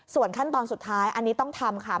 ส่วนขั้นตอนสุดท้ายอันนี้ต้องทำค่ะ